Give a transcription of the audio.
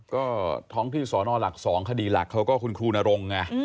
ก็ท้องที่สอนอหลัก๒คดีหลักเขาก็คุณครูนรงไง